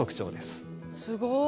すごい！